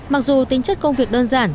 mặc dù tính chất công việc đơn giản